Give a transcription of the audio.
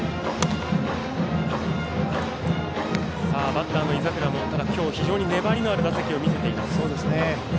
バッターの井櫻も、ただ今日、非常に粘りのある打席を見せています。